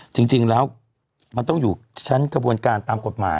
จริงแล้วมันต้องอยู่ชั้นกระบวนการตามกฎหมาย